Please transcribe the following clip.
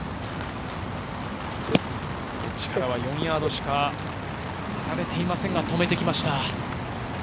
こちらからは４ヤードしか離れていませんが止めてきました。